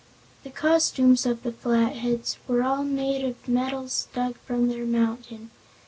The costumes of the Flatheads were all made of metals dug from their mountain.